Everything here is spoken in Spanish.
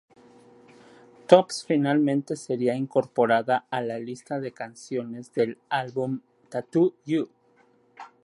Tops finalmente sería incorporada a la lista de canciones del álbum "Tattoo You".